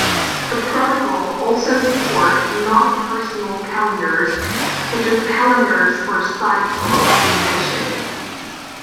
The protocol also supports non-personal calendars, such as calendars for sites or organizations.